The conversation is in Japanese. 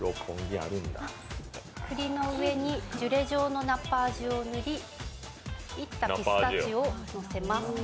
くりの上にジュレ状のナパージュを塗りいったピスタチオをのせます。